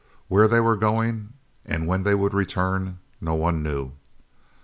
Where they were going and when they would return no one knew.